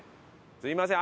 すいません。